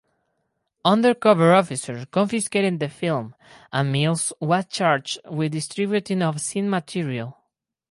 Undercover officers confiscated the film and Mills was charged with distributing obscene material.